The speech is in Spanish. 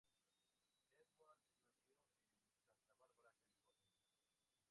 Edwards nació en Santa Bárbara, California.